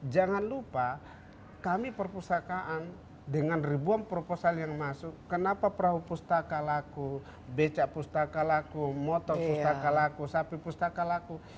jangan lupa kami perpustakaan dengan ribuan proposal yang masuk kenapa perahu pustaka laku becak pustaka laku motor pustaka laku sapi pustaka laku